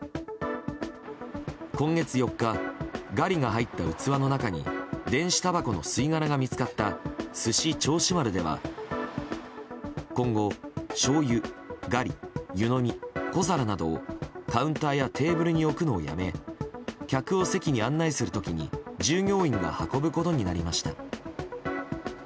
今月４日ガリが入った器の中に電子たばこの吸い殻が見つかったすし銚子丸では今後しょうゆ、ガリ湯飲み、小皿などをカウンターやテーブルに置くのをやめ客を席に案内する時に従業員が運ぶことになりました。